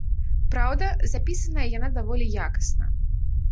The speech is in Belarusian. Праўда, запісаная яна даволі якасна.